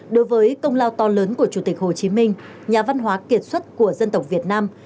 đối với công lao to lớn của chủ tịch hồ chí minh nhà văn hóa kiệt xuất của dân tộc việt nam